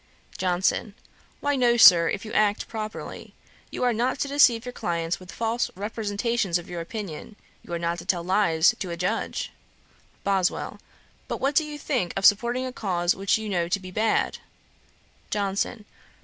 JOHNSON. 'Why no, Sir, if you act properly. You are not to deceive your clients with false representations of your opinion: you are not to tell lies to a judge.' BOSWELL. 'But what do you think of supporting a cause which you know to be bad?' JOHNSON.